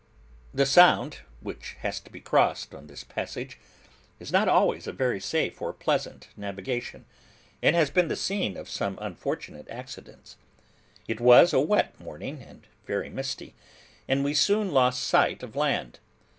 The Sound which has to be crossed on this passage, is not always a very safe or pleasant navigation, and has been the scene of some unfortunate accidents. It was a wet morning, and very misty, and we soon lost sight of land.